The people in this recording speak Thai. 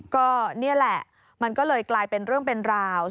ก็นี่แหละมันก็เลยกลายเป็นเรื่องเป็นราว